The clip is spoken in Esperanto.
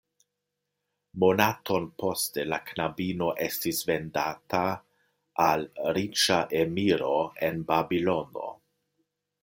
Monaton poste la knabino estis vendata al riĉa emiro en Babilono.